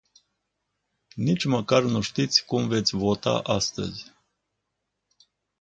Nici măcar nu știți cum veți vota astăzi.